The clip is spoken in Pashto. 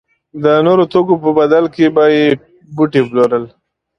د نورو توکو په بدل کې به یې بوټي پلورل.